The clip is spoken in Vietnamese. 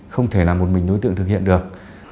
không thể là một mình đối tượng thực hiện được